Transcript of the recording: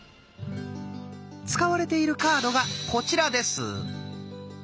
使われているカードがこちらです。